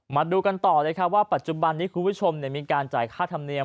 มาดูกันต่อเลยครับว่าปัจจุบันนี้คุณผู้ชมมีการจ่ายค่าธรรมเนียม